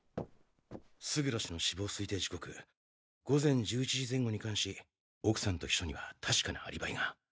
勝呂氏の死亡推定時刻午前１１時前後に関し奥さんと秘書には確かなアリバイが。